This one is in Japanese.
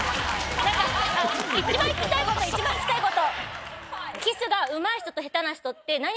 一番聞きたいこと一番聞きたいこと。